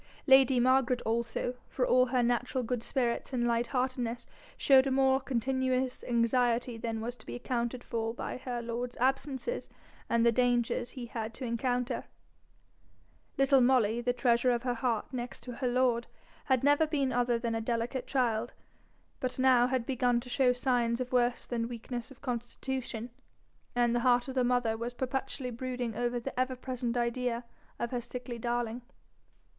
Lady Margaret also, for all her natural good spirits and light heartedness, showed a more continuous anxiety than was to be accounted for by her lord's absences and the dangers he had to encounter: little Molly, the treasure of her heart next to her lord, had never been other than a delicate child, but now had begun to show signs of worse than weakness of constitution, and the heart of the mother was perpetually brooding over the ever present idea of her sickly darling.